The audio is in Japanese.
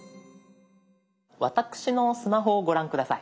私のスマホをご覧下さい。